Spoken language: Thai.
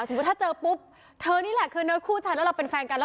ถ้าเจอปุ๊บเธอนี่แหละคือเนยคู่ชายแล้วเราเป็นแฟนกันแล้ว